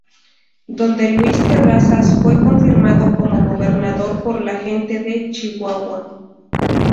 Donde Luis Terrazas fue confirmado como Gobernador por la gente de Chihuahua.